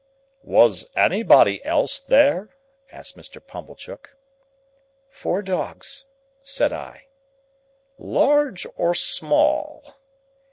"Was anybody else there?" asked Mr. Pumblechook. "Four dogs," said I. "Large or small?"